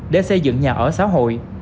để xây dựng nhà ở xã hội